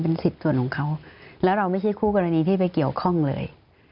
สิทธิ์ส่วนของเขาแล้วเราไม่ใช่คู่กรณีที่ไปเกี่ยวข้องเลย